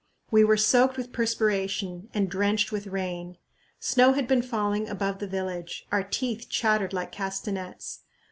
We were soaked with perspiration and drenched with rain. Snow had been falling above the village; our teeth chattered like castanets.